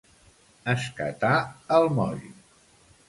Escatar el moll.